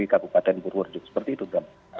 seperti itu bambang